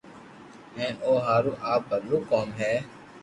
ھين امو ھارون آ بلو ڪوم ھي